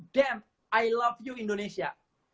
den i love you indonesia